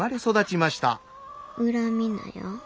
恨みなや。